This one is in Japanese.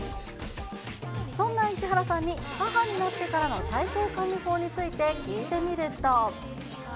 そんな石原さんに、母になってからの体調管理法について聞いてみると。